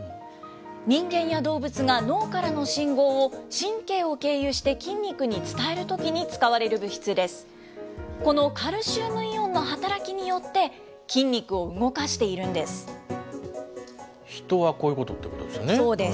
人間や動物が脳からの信号を、神経を経由して筋肉に伝えるときに使われる物質です。